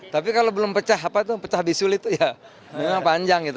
tapi kalau belum pecah apa itu pecah disulit ya memang panjang gitu